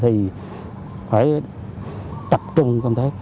thì phải tập trung